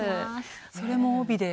それも帯で？